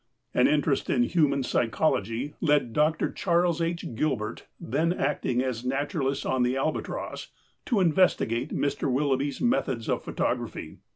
An interest in human psychology led Dr. Charles H. Gilbert, then acting as naturalist on the Albatross, to investigate Mr. Willoughby's methods of photography.